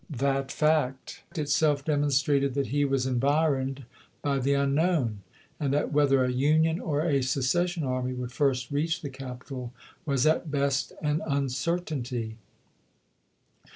That fact itself demonstrated that he was environed by the unknown — and that whether a Union or a Secession army would first reach the capital was at best an uncertainty.